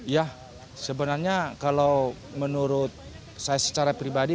ya sebenarnya kalau menurut saya secara pribadi